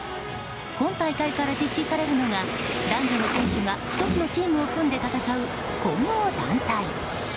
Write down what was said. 今大会から実施されるのが男女の選手が１つのチームを組んで戦う混合団体。